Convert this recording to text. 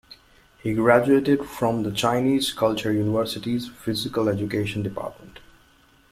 He graduated from the Chinese Culture University's physical education department.